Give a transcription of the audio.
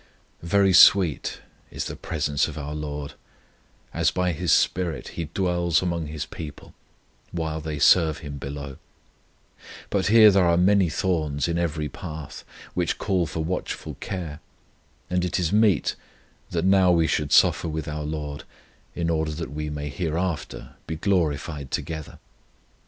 Very sweet is the presence of our LORD, as by His SPIRIT He dwells among His people, while they serve Him below; but here there are many thorns in every path, which call for watchful care; and it is meet that now we should suffer with our LORD, in order that we may hereafter be glorified together.